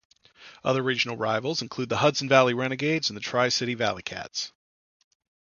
Other regional rivals include the Hudson Valley Renegades and the Tri-City ValleyCats.